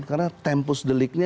karena tempus deliknya